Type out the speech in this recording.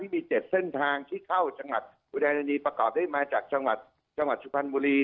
มี๗เส้นทางที่เข้าจังหวัดอุดรธานีประกอบได้มาจากจังหวัดสุพรรณบุรี